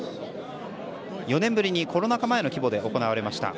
４年ぶりにコロナ禍前の規模で行われました。